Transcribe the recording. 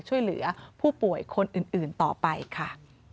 ช่วยเหลือผู้ป่วยคนอื่นต่อไปค่ะ